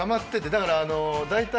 だから大体。